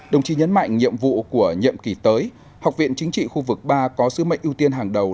đồng chí nhấn mạnh nhiệm vụ của nhiệm kỳ tới học viện chính trị khu vực ba có sứ mệnh ưu tiên hàng đầu